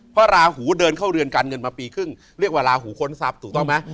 เพราะราหูเดินเข้าเรือนการเงินมาปีครึ่งเรียกว่าลาหูค้นทรัพย์ถูกต้องไหม